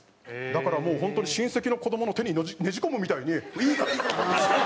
だからもう本当に親戚の子どもの手にねじ込むみたいに「いいからいいから！」。